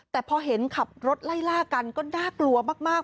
แต่พอเห็นขับรถไล่ล่ากันก็น่ากลัวมาก